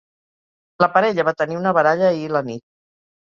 La parella va tenir una baralla ahir a la nit.